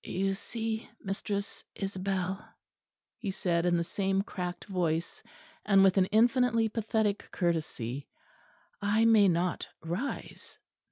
"You see, Mistress Isabel," he said, in the same cracked voice, and with an infinitely pathetic courtesy, "I may not rise."